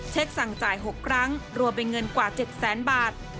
เช็กสั่งจ่าย๖ครั้งรวมเป็นเงินกว่า๗๐๐๐๐๐บาท